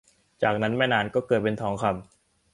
จากนั้นไม่นานก็เกิดเป็นทองคำ